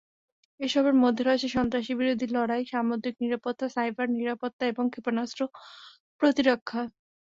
এসবের মধ্যে রয়েছে সন্ত্রাসবিরোধী লড়াই, সামুদ্রিক নিরাপত্তা, সাইবার নিরাপত্তা এবং ক্ষেপণাস্ত্র প্রতিরক্ষা।